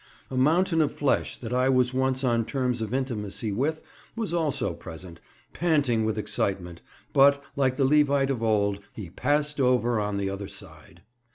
A mountain of flesh that I was once on terms of intimacy with was also present, panting with excitement, but, like the Levite of old, "he passed over on the other side."